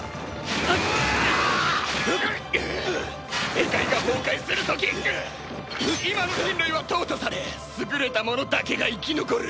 世界が崩壊する時今の人類は淘汰され優れた者だけが生き残る！